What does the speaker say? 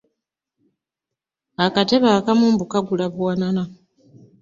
Akatebe akamu mbu kagula buwanana.